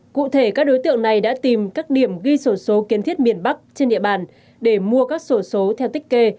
cụ thể các đối tượng này đã tìm các điểm ghi sổ số kiến thiết miền bắc trên địa bàn để mua các sổ số theo tích kê